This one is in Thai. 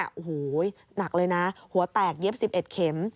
โอ้โหหนักเลยนะหัวแตกเย็บ๑๑เข็ม